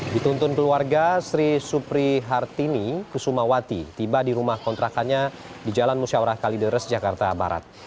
dituntun keluarga sri supri hartini kusumawati tiba di rumah kontrakannya di jalan musyawarah kalideres jakarta barat